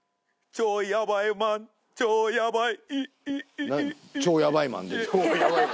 「超やばいマン」って「超やばいマン」